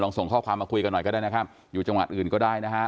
ส่งข้อความมาคุยกันหน่อยก็ได้นะครับอยู่จังหวัดอื่นก็ได้นะฮะ